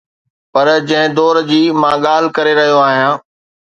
پر جنهن دور جي مان ڳالهه ڪري رهيو آهيان.